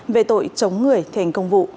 về tội chống người thành công vụ